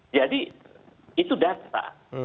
jadi itu data